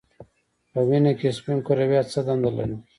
په وینه کې سپین کرویات څه دنده لري